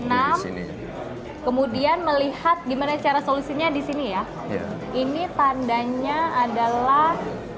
kemudian melihat gimana cara solusinya di sini ya ini tandanya adalah